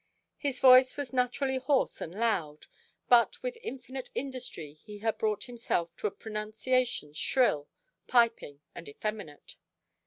His voice was naturally hoarse and loud, but with infinite industry he had brought himself to a pronunciation shrill, piping, and effeminate.